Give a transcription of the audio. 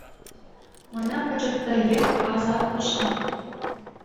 Мана пӗчӗккӗлех асат хуҫнӑ.